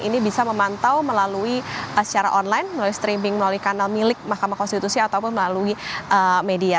ini bisa memantau melalui secara online melalui streaming melalui kanal milik mahkamah konstitusi ataupun melalui media